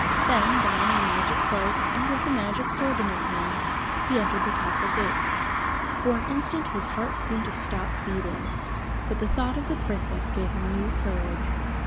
Then, donning the magic cloak, and with the magic sword in his hand, he entered the castle gates. For an instant his heart seemed to stop beating, but the thought of the Princess gave him new courage....